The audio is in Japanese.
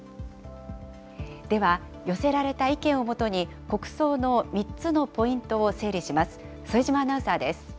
では、寄せられた意見をもとに、国葬の３つのポイントを整理します。